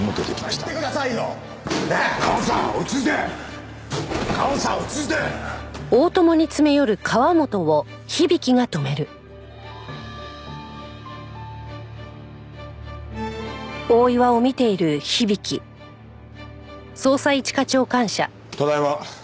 ただいま。